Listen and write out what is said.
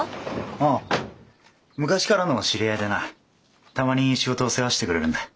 ああ昔からの知り合いでなたまに仕事を世話してくれるんだ。